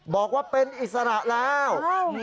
บอกว่าเป็นอิสระแล้ว